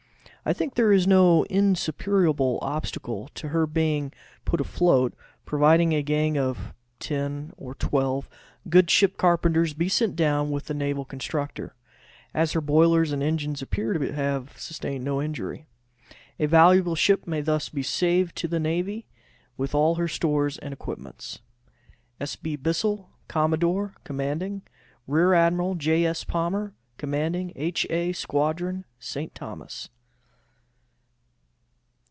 I think there is no insuperable obstacle to her being put afloat, providing a gang of ten or twelve good ship carpenters be sent down with the Naval Constructor, as her boilers and engines appear to have sustained no injury. A valuable ship may thus be saved to the navy, with all her stores and equipments. S. B. BISSELL, Commodore Commanding. Rear Admiral J. S. Palmer, commanding H. A. Squadron, St. Thomas.